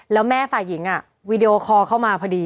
แล้วแม่ฝ่ายหญิงวีดีโอคอลเข้ามาพอดี